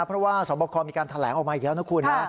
เพราะว่าสวบคอมีการแถลงออกมาอีกแล้วนะคุณนะ